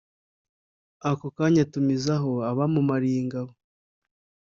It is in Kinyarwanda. akokanya atumizaho abamumariye ngabo